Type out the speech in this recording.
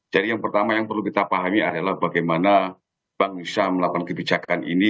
jadi yang pertama yang perlu kita pahami adalah bagaimana bank indonesia melakukan kebijakan ini